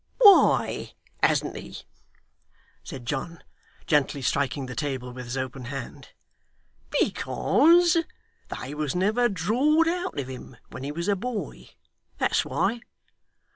'Why hasn't he?' said John, gently striking the table with his open hand. 'Because they was never drawed out of him when he was a boy. That's why.